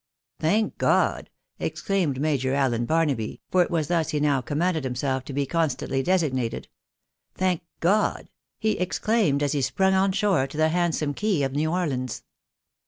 " Thank God !" exclaimed Major Allen Barnaby — for it was thus he now commanded himself to be constantly designated —" thank God !" he exclaimed, as he sprung on shore on the hand some quay of New Orleans.